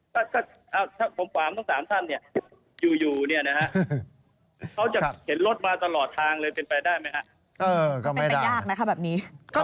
บอกว่าเมาส์ไม่ขับข็นกลับก็ได้มาบอกแบบนี้